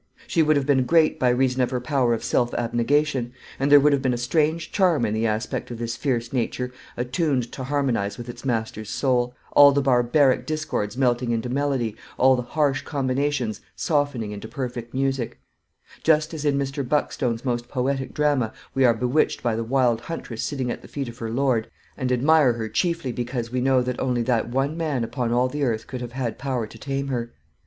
She would have been great by reason of her power of self abnegation; and there would have been a strange charm in the aspect of this fierce nature attuned to harmonise with its master's soul, all the barbaric discords melting into melody, all the harsh combinations softening into perfect music; just as in Mr. Buckstone's most poetic drama we are bewitched by the wild huntress sitting at the feet of her lord, and admire her chiefly because we know that only that one man upon all the earth could have had power to tame her.